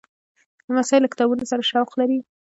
لمسی له کتابونو سره شوق لري.